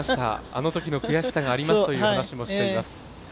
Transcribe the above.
あのときの悔しさがありますという話もしています。